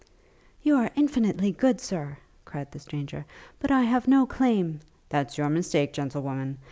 'You are infinitely good, Sir,' cried the stranger, 'but I have no claim .' 'That's your mistake, gentlewoman.